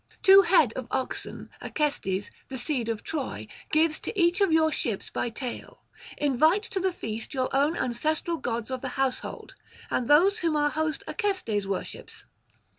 Two head of oxen Acestes, the seed of Troy, gives to each of your ships by tale: invite to the feast your own ancestral gods of the household, and those whom our host Acestes worships.